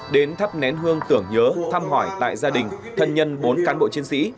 đến thắp nén hương tưởng nhớ thăm hỏi tại gia đình thân nhân bốn cán bộ chiến sĩ